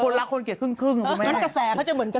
ถักกับคุณแม่มสนี่แหละ